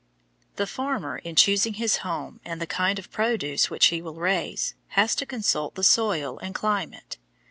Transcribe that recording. The farmer, in choosing his home and the kind of produce which he will raise, has to consult the soil and climate.